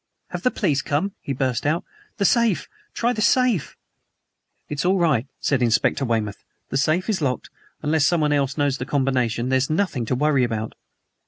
"Have the police come?" he burst out. "The safe try the safe!" "It's all right," said Inspector Weymouth. "The safe is locked unless someone else knows the combination, there's nothing to worry about."